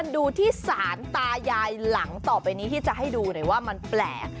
ดูที่สารตายายหลังต่อไปนี้ที่จะให้ดูหน่อยว่ามันแปลก